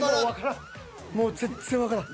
もう全然わからん。